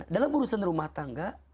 dalam urusan rumah tangga